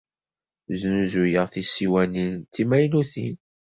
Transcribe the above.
Snuzuyeɣ tisiwanin d timaynutin.